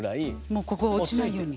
もうここ落ちないように。